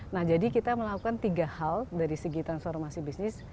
nah jadi kita melakukan tiga hal dari segi transformasi bisnis